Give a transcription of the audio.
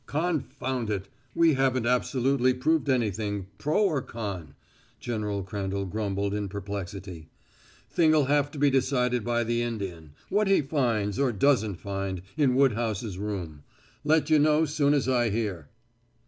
"Confound it! We haven't absolutely proved anything, pro or con," General Crandall grumbled, in perplexity. "Thing'll have to be decided by the Indian what he finds, or doesn't find in Woodhouse's room. Let you know soon as I hear."